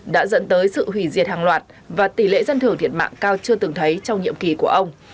đã dẫn tới sự hủy diệt hàng loạt và tỷ lệ dân thưởng thiệt mạng cao chưa từng thấy trong nhiệm kỳ của ông